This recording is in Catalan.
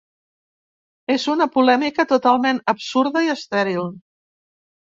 És una polèmica totalment absurda i estèril.